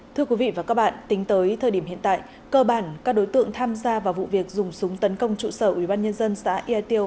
thưa quý vị và các bạn tính tới thời điểm hiện tại cơ bản các đối tượng tham gia vào vụ việc dùng súng tấn công trụ sở ubnd xã yà tiêu